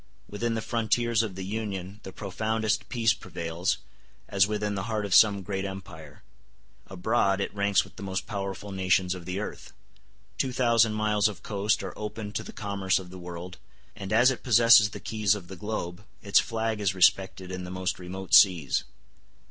Within the frontiers of the Union the profoundest peace prevails, as within the heart of some great empire; abroad, it ranks with the most powerful nations of the earth; two thousand miles of coast are open to the commerce of the world; and as it possesses the keys of the globe, its flags is respected in the most remote seas.